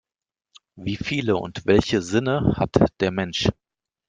Wie viele und welche Sinne hat der Mensch?